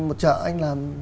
một chợ anh làm